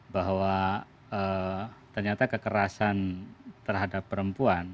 bahwa ternyata kekerasan terhadap perempuan